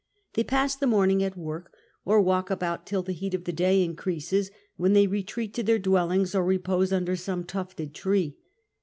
They pass the iiioni ing at work, or walk about till the heat of the day increases, when they retreat to their dwellings or repose under some tufted tree.